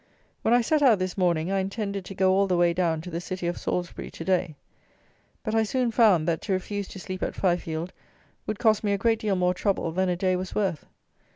When I set out this morning, I intended to go all the way down to the city of Salisbury to day; but, I soon found, that to refuse to sleep at Fifield would cost me a great deal more trouble than a day was worth.